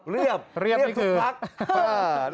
เรียบเรียบสุพัก